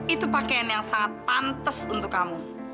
itu pakaian yang sangat pantas untuk kamu